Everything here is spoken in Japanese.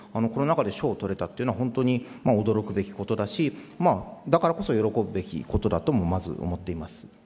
この中で賞をとれたっていうのは本当に驚くべきことだし、だからこそ、喜ぶべきことだともまず思っています。